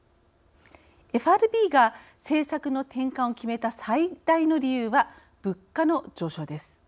ＦＲＢが政策の転換を決めた最大の理由は、物価の上昇です。